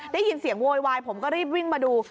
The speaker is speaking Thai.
ได้ยินเสียงโวยวายผมก็รีบวิ่งมาดู